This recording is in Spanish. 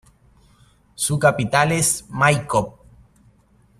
Su capital es Maikop.